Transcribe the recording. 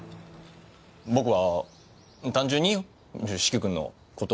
僕は単純に四鬼君のことを。